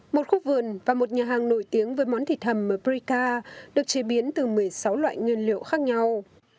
một khu vườn và một nhà hàng nổi tiếng với món thịt hầm mabrica được chế biến từ một mươi sáu loại nguyên liệu khác nhau